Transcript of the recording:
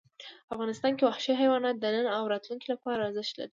افغانستان کې وحشي حیوانات د نن او راتلونکي لپاره ارزښت لري.